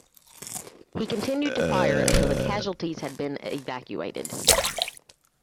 He continued to fire until the casualties had been evacuated.